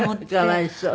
かわいそう。